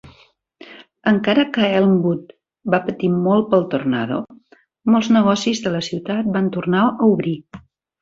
Encara que Elmwood va patir molt pel tornado, molts negocis de la ciutat van tornar a obrir.